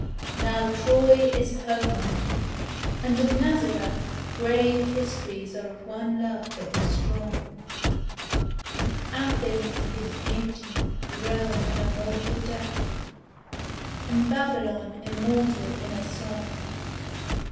Now Troy is Homer; and of Nazareth Grave histories are of one love that was strong; Athens is beauty; Rome an immortal death; And Babylon immortal in a song....